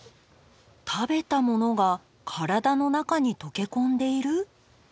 食べたものが体の中に溶け込んでいる？